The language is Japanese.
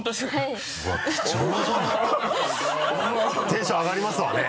テンション上がりますわね。